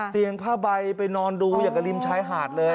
ผ้าใบไปนอนดูอย่างกับริมชายหาดเลย